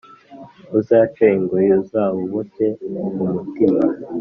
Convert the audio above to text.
Uzace ingoyi uzabuboshye umutima